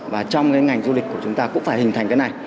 và trong cái ngành du lịch của chúng ta cũng phải hình thành cái này